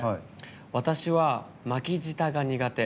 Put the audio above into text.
私は、巻き舌が苦手。